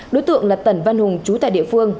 đối tượng là tần văn hùng trú tại địa phương